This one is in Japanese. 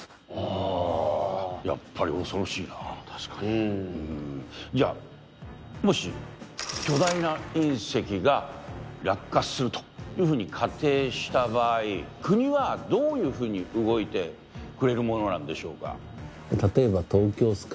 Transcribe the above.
ああ確かにうんいやもし巨大な隕石が落下するというふうに仮定した場合国はどういうふうに動いてくれるものなんでしょうか？